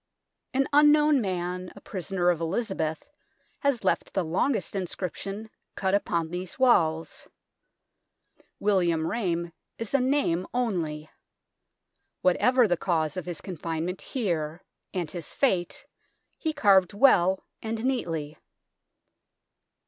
An unknown man, a prisoner of Elizabeth, has left the longest inscription cut upon these walls. William Rame is a name only. What ever the cause of his confinement here, and his fate, he carved well and neatly.